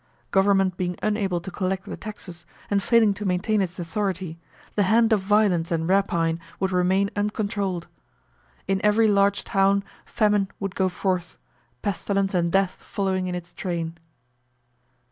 Government being unable to collect the taxes, and failing to maintain its authority, the hand of violence and rapine would remain uncontrolled. In every large town famine would go forth, pestilence and death following in its train.